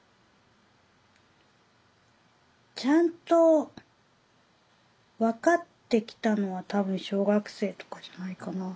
ちゃんと分かってきたのは多分小学生とかじゃないかな。